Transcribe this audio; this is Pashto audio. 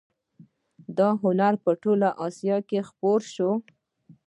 دا هنر په ټوله اسیا کې خپور شو